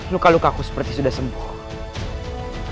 luka lukaku seperti sudah sembuh